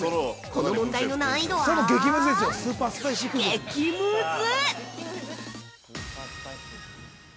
この問題の難易度は激ムズ◆